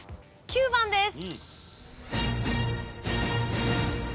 ９番です。